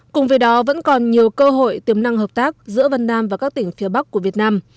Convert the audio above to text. cùng với đó vẫn còn nhiều cơ hội tiềm năng hợp tác giữa vân nam và các tỉnh phía bắc của việt nam